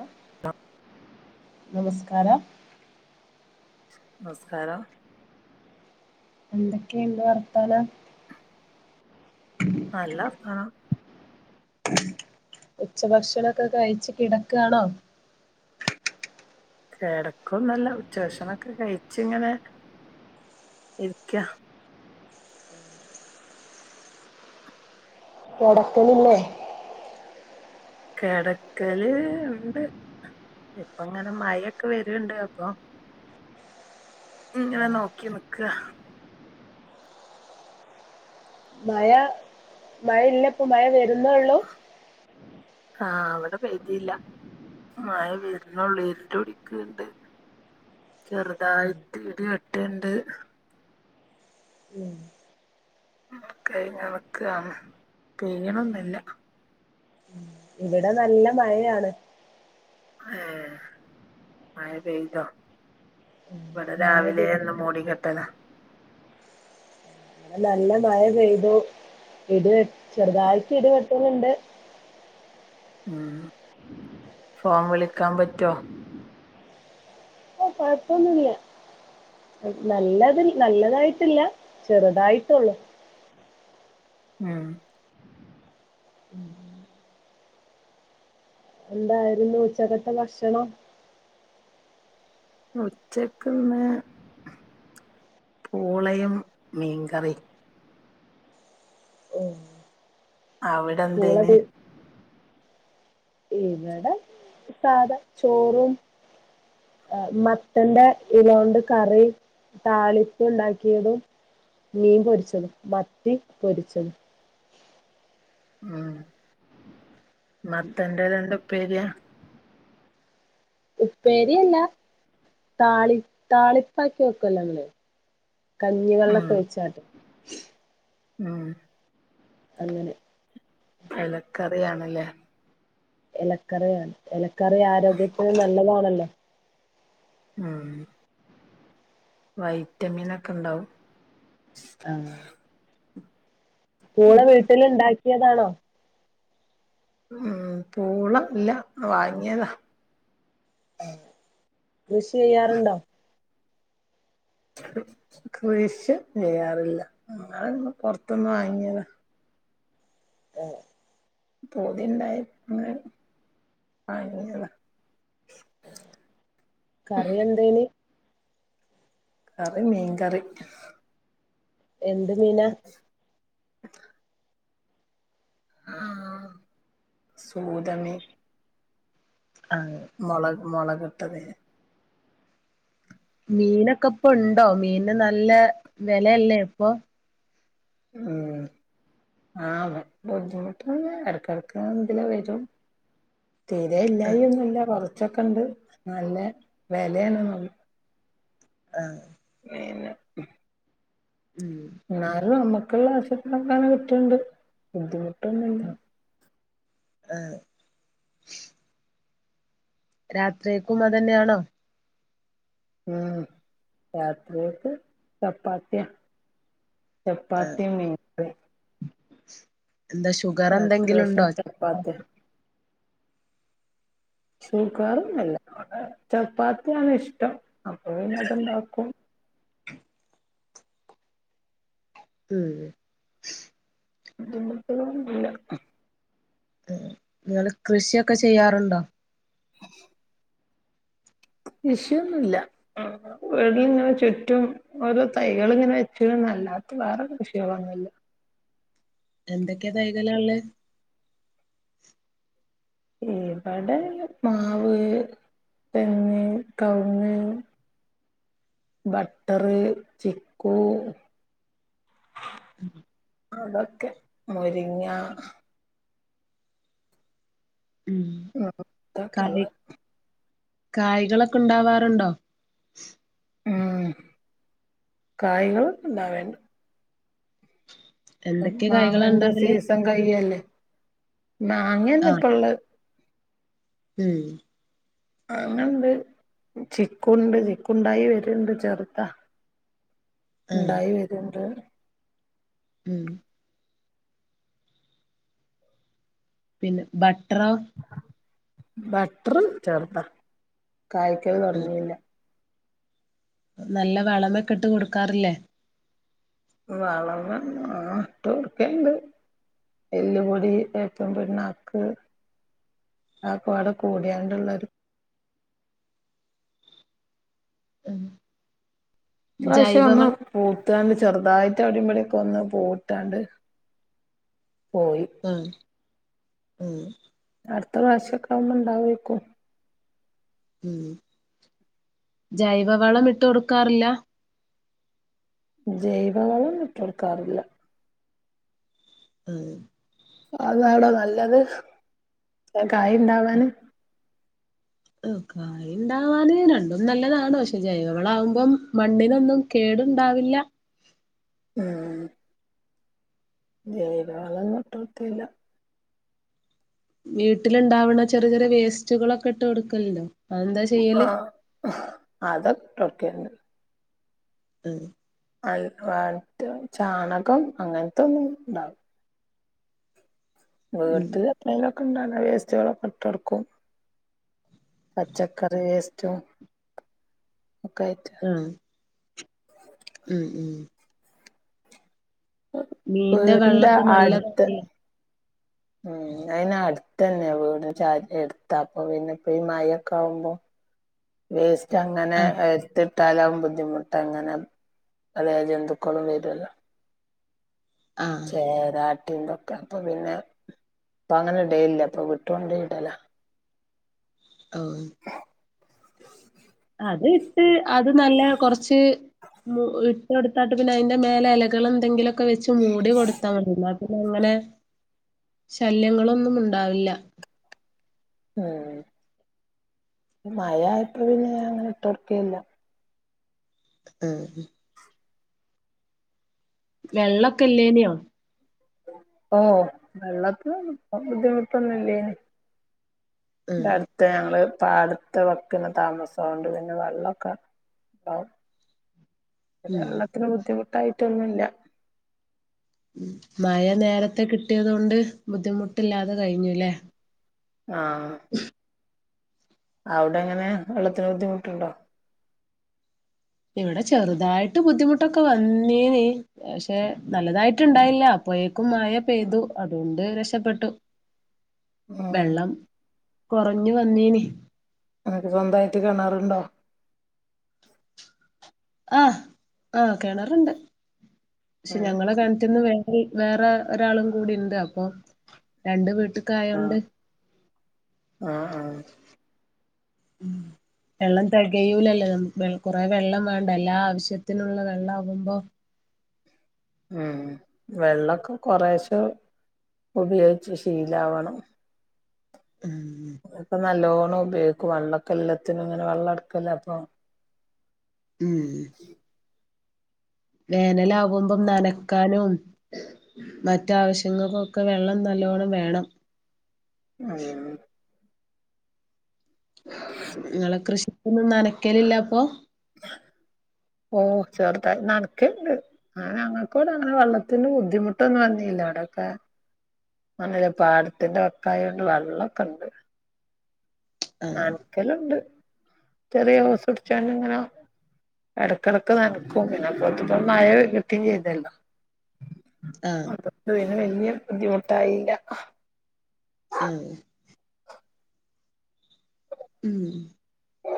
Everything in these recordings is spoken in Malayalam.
ആഹ് നമസ്കാരം നമസ്കാരം എന്തൊക്കെയുണ്ട് വർത്താനം നല്ല സ്ഥലം ഉച്ചഭക്ഷണൊക്കെ കഴിച്ചു കിടക്കാണോ കെടക്കുവൊന്നുവല്ല ഉച്ചഭക്ഷണം ഒക്കെ കഴിച്ച് ഇങ്ങനെ ഇരിക്കാ കിടക്കണില്ലേ? കെടക്കല് ഉണ്ട് ഇപ്പം അങ്ങനെ മഴയൊക്കെ വര്ണ്ട് അപ്പൊ ഇങ്ങനെ നോക്കി നിക്കാ മഴ മഴ ഇല്ലിപ്പോ മഴ വെ [unintelligible] ഉള്ളൂ ആഹ് ഇവിടെ പെയ്തീല്ല മഴ വരുന്നുള്ള് ഇരിട്ട് പിടിക്കുണ്ട് ഉം ചെറുതായിട്ട് ഇടി വെട്ടുണ്ട് ഉം കഴിഞ്ഞു ഒണക്കാണ് പിഴിയണൊന്നുമില്ല ഇവിടെ നല്ല മഴയാണ് ആഹ് മഴ പെയ്തോ ഇവിടെ മഴ രാവിലെ പെയ്തു എന്നും മൂടിക്കെട്ടലാ ആ നല്ല മഴ പെയ്തു ഇത് ചെറുതായിട്ട് ഇടിവെ ട്ടുന്നുണ്ട് ഉം ഫോൺ വിളിക്കാൻ പറ്റോ കൊഴപ്പൊന്നുമില്ല നല്ലത് നല്ലതായിട്ടില്ല ചെറുതായിട്ടുള്ളൂ ആഹ് എന്തായിരുന്നു ഉച്ചക്കലത്തെ ഭക്ഷണം ഉച്ചക്കിന്ന് പൂളയും മീൻകറീം ഉം അവിടെ പൂള എന്തേന് ഇവിടെ സാധാ ചോറും മത്തന്റെ ഇലകൊണ്ട് കറി താളിപ്പ് ഉണ്ടാക്കിയതും മീൻ പൊരിച്ചതും മത്തി പൊരിച്ചതും ഉം മത്തൻ്റെലണ്ട് പരിയ ഉപ്പേരിയല്ല താളി താളിപ്പാക്കി വെക്കല്ലോ നമ്മള് കഞ്ഞിവെള്ളമൊക്കെ ഒഴിച്ചാട്ട് ആഹ് അങ്ങനെ എലക്കറിയാണല്ലേ എലക്കറിയ എല ക്കറി ആരോഗ്യത്തിന് നല്ലതാണല്ലോ ലോ ആഹ് വൈറ്റമിൻ ഒക്കെ ഉണ്ടാവും ആഹ് മൂളെ വീട്ടിൽ ഉണ്ടാക്കി ക്കിയതാണോ ഉം പൂള ഇല്ല വാങ്ങിയതാ ആ കൃഷി ചെയ്യാറുണ്ടോ കൃഷി ചെയ്യാറില്ല അങ്ങനെ ഇന്നും പുറത്ത്ന്ന് വാങ്ങിയത ആഹ് പൂതിണ്ടായി ഇന്ന് വാങ്ങിയതാ കറി എന്തേന് കറി മീൻകറി എന്ത് മീന [unintelligible] ആ സൂതമി ആഹ് മുളകെട്ടത് മീനൊക്കെ ഇപ്പൊ ഉണ്ടോ മീന് നല്ല വിലയല്ലേ ഇപ്പൊ ഉം ആ ബുദ്ധിമുട്ട് ഇടക്കിടക്ക് എതിലാ വരും തീരെ ഇല്ലായി ഒന്നുല്ല കുറ കുച്ചൊക്കെണ്ട് നല്ല വെലയാണ് എന്നുള്ളു ആ പിന്നെ [unintelligible] ഉം ന്നാലും അമ്മ മക്കുള്ള [unintelligible] ക്കാനും കിട്ട്ണ്ട് ബുദ്ധിമുട്ട് ട്ടൊന്നുല്ല ആഹ് രാത്രിയേക്കും അതന്നെയാണോ? ഉം രാത്രിയക്ക് ചപ്പാത്തിയാ ചപ്പാത്തി മീൻകറി എന്താ ഷുഗർ എന്തെങ്കിലും ഉണ്ടോ ഭക്ഷണം ചപ്പാത്തിയാ സൂഗാറൊന്നുല്ല ചപ്പാത്തിയാണ് ഇഷ്ടം അപ്പൊ പിന്നെ അതുണ്ടാക്കും ഉം ബുദ്ധിമുട്ട് ഒന്നില്ല നിങ്ങൾ കൃഷിയൊക്കെ ചെയ്യാറുണ്ടോ കൃഷിയൊന്നുല്ല വീട്ടിലിങ്ങനെ ചുറ്റും ഓരോ തൈകളിങ്ങനെ വെച്ചുന്നല്ലാത്ത വേറെ കൃഷികളൊന്നുല്ല എന്തൊക്കെ തൈകളാ ഉള്ള ഇവിടെ മാവ്, തെങ്ങ്, കവ്ങ്ങ്, ബട്ടർ, ചിക്കു അതൊക്കെ മുരിങ്ങ ഉം കായ് [unintelligible] കായ്കളൊക്കെ ഉണ്ടാവാറുണ്ടോ ഉം കായകൾ ഉണ്ടാ വേണ്ട് എന്തൊക്കെ കായ്കളാ മാങ്ങന്റെ ഉണ്ടാകല് സീസൺ കൈയല്ലേ മാങ്ങന്നെ ആഹ് ഇപ്പ ഇള്ള ഉം മാങ്ങണ്ട്, ചിക്കുണ്ട് ചിക്കുണ്ടായി വരുണ്ട് ചെറുതാ ആഹ് ഉണ്ടായി വര്ണ്ട് ഉം പിന്നെ ബ ട്ടറോ ബട്ടർ ചെറുതാ കായ്ക്കൽ ഉം തുടങ്ങിയില്ല നല്ല വളമൊക്കെ ഇട്ട് കൊടുക്കാറില്ലേ വളമ ആ ഇട്ടു കൊടുക്കലുണ്ട് എല്ലപൊടി, വേപ്പും പിണ്ണാക്ക് അതൊക്കെ പാടെ കൂടിയാണ്ടുള്ളൊരു [inaudible] ഇപ്രാവശ്യം അമ്മ ജൈവവളം പോ ത്താണ്ട് ചെറുതായിട്ട് അവിടേം ഇവിടെ ഒക്കൊന്നു പൂവിട്ടാണ്ട് പോയി ഉം അടുത്ത പ്രാവശ്യ ഒക്കൊവമ്മ ഇണ്ടാവേക്കും ഉം ജൈവവളം ഇട്ട് കൊടുക്കാറില്ല ജൈവ വളൊന്നും ഇട്ടു കൊടുക്കാറില്ല അഹ് അതാട നല്ലത് കായ്ണ്ടാവാൻ മ് കായ്ണ്ടാവാന് രണ്ടും നല്ലതാണ് പക്ഷെ ജൈവവളാവുമ്പം മണ്ണിനൊന്നും കേടുണ്ടാവില്ല മ്മ്മ് ജൈവള ഇട്ട് കൊടുത്തില്ല വീട്ടിലുണ്ടാവണ ചെറിയ ചെറിയ വേസ്റ്റുകളൊക്കെ ഇട്ട് കൊടുക്കല് ണ്ടോ ആ ഹ് അത് ഒകെ ണ്ട് ഹ് അത് [unintelligible] ചാണകം അങ്ങനത്തൊന്നും ഇണ്ടാവും ഉം വീട്ടില് അത്രെന്നെ അല്ലതെ വേസ്റ്റുകളൊക്കെ ഇട്ട് കൊടുക്കും പച്ചക്കറി വേസ്റ്റും ഒക്കായിട്ട മ് മ്മ് മീന്റെ വീടിന്റെ വെള്ളൊക്കെ അടുത്ത് നല്ലതാണല്ലോ മ് അയിനടു തന്നെയ വീട് ചാരി എടുത്ത അപ്പൊ പിന്നെ ഇപ്പ ഈ മഴക്കെ ആവുമ്പോ വേസ് ക്ക് അങ്ങനെ ആഹ് [unintelligible] തല ബുദ്ധിമുട്ട് അങ്ങനെ അതായത് ജന്തുക്കളും വരൂല്ലൊ ആഹ് ചേര എന്തൊക്കെ പ്പൊപിന്നെ ഇപ്പ അങ്ങനെഡേല്ല പ ഇപ്പം വിട്ടുകൊണ്ടേയിടല ഓഹ് അത് ഇട്ട് അത് നല്ല കൊറച്ച് മു ഹ് ഇട്ടുകൊടുത്താട്ട് പിന്നെ അതിന്റെ മേലെ ഇലകൾ എന്തെങ്കിലും ക്കെ വെച്ച് മൂടി കൊടുത്താമതീ ന പിന്നങ്ങനെ ശല്യങ്ങളൊന്നും ഉണ്ടാവില്ല ഉം മഴ ആയപ്പോ പിന്നെഅങ്ങനെ ഇട്ടോടെക്കെയില്ല അഹ് ഹ് വെള്ളൊക്കെ ഇല്ലേനിയോ ഓ വെള്ളത്തിന് ബുദ്ധിമുട്ടൊന്നും ഇല്ലേനി ആഹ് ഇടടുത്ത് ഞങ്ങള് പ്പ അടുത്ത് വെക്കുന്ന താമസം അത് കൊണ്ട് പിന്നെ വെള്ളൊക്കെ ഉണ്ടാവും ഉം വെള്ളത്തിന് ബുദ്ധിമു ട്ടായിട്ടൊന്നുല്ല മഴ നേരത്തെ കിട്ടിയത് കൊണ്ട് ബുദ്ധിമുട്ടില്ലാതെ കഴിഞ്ഞുല്ലേ ആഹ് അവിടെ എങ്ങനെ വെള്ളത്തിന് ബുദ്ധിമുട്ടുണ്ടോ ഇവിടെ ചെറുതായിട്ട് ബുദ്ധിമുട്ടൊക്കെ വന്നിനി പക്ഷെ നല്ലതായിട്ടുണ്ടായില്ല അപ്പോഴേക്കും മഴ പെയ്തു അതുകൊണ്ട് രക്ഷപ്പെട്ടു ആഹ് വെള്ളം കൊറഞ്ഞു വന്നീന് അനക്ക് സ്വന്തമായിട്ട് കിണറുണ്ടോ ആഹ് ആഹ് കിണറുണ്ട് പക്ഷെ ആഹ് ഞങ്ങളെ കിണറ്റിന്ന് വേ വേറെ ഒരാളും കൂടി ഉണ്ട് അപ്പൊ രണ്ട് വീട്ട് ക്കായൊണ്ട് ആഹ് ആഹ് വെള്ളം തികയൂലല്ലേ നമുക്ക് കുറെ വെള്ളം വേണ്ടെ എല്ലാ ആവശ്യത്തിനുള്ള വെള്ളം ആകുമ്പോ ഉം വെള്ളോക്കെ കൊറെശെ ഉപയോഗിച്ച് ശീലാവണം ഉം ഇപ്പ നല്ലോ ഉപയോഗിക്കും വെള്ളൊക്കെ എല്ലാത്തിനും ഇങ്ങനെ വെള്ളം എടക്കല്ലേ അപ്പൊ ഉം വേനലാകുമ്പം നനക്കാനും മറ്റാവശ്യങ്ങൾക്കൊക്കെ വെള്ളം നല്ലോണം വേണം ആഹ് നിങ്ങളെ കൃഷി ഒന്നും നനക്കലില്ല അപ്പൊ ഓ ചെറുതായി നനയ്ക്കിണ്ട് അങ്ങനെ ഞങ്ങക്കിടെ അങ്ങനെ വെള്ളത്തിന്റെ ബുദ്ധിമുട്ടൊന്നും വന്നില്ല അവിടൊക്കെ പാടത്തിന്റെവടക്കായോണ്ട് വെള്ളമൊക്കെണ്ട് ആഹ് നനക്കലുണ്ട് ചെറിയ ഓസ് പിടിച്ചോണ്ട് ഇങ്ങനെ ഇടക്കിടക്ക് നനക്കും പിന്നെ അപ്പോഴേത്തേക്കും മഴ കിട്ടേ ചെയ്തല്ലോ ആഹ് ഇവിടെ വലിയ ബുദ്ധിമുട്ടായില്ല ആഹ് ഉം ഓ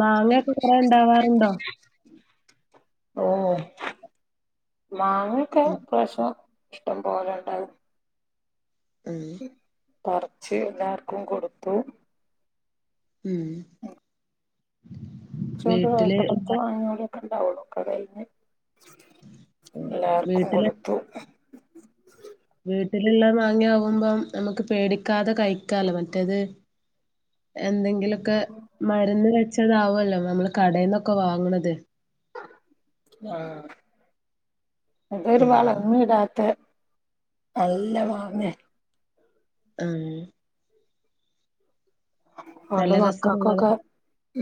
മാങ്ങയൊക്കെ കുറെ ഉണ്ടാവാറുണ്ടോ ഓ മാങ്ങയൊക്കെ ഉം ഇപ്രാവശ്യം ഇഷ്ടം പോലെണ്ടായി ഉം പറിച്ച് എല്ലാർക്കും കൊടുത്തു ഉം ച്ചോണ്ട് വീട്ടില് പോയിട്ട് പത്ത് മാങ്ങ [unintelligible] ഇണ്ടാവുളു കടയ്ന്ന് എല്ലാർക്കും വീട്ടില് കൊടുത്തു വീട്ടിലുള്ള മാങ്ങയാകുമ്പം നമുക്ക് പേടിക്കാതെ കഴിക്കാലോ മറ്റേത് എന്തെങ്കിലും ഒക്കെ മരുന്ന് ച്ചതാവുല്ലോ നമ്മള് കടേന്നൊക്കെ വാങ്ങ്ണത്. ആ ഉം [unintelligible] നല്ലവാംനേ ആഹ് അതോണ്ട് നല്ല രസമുള്ളതാ മക്കക്കൊക്കെ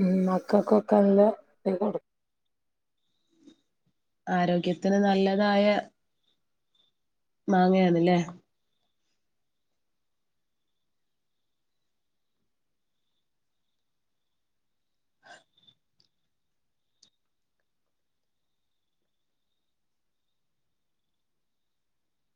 ഉം മക്കക്കൊക്കെ നല്ല ഇത് കൊടു ആരോഗ്യത്തിന് നല്ലതായ മാങ്ങയാണ്ല്ലേ